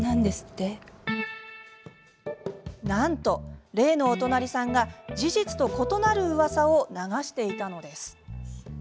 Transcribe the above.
なんと、例のお隣さんが事実と異なるうわさを流していたのです。